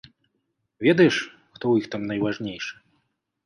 Ведаеш, хто ў іх там найважнейшы?